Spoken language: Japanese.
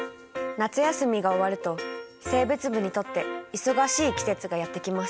夏休みが終わると生物部にとって忙しい季節がやって来ます。